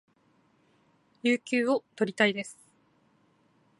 有給を取りたいです